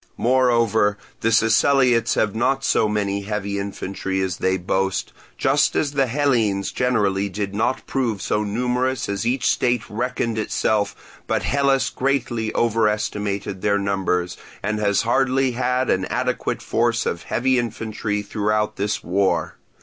Moreover, the Siceliots have not so many heavy infantry as they boast; just as the Hellenes generally did not prove so numerous as each state reckoned itself, but Hellas greatly over estimated their numbers, and has hardly had an adequate force of heavy infantry throughout this war.